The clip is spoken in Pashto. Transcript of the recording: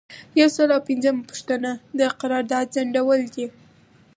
یو سل او پنځمه پوښتنه د قرارداد ځنډول دي.